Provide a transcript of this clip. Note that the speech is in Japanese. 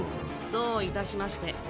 どういたしまして。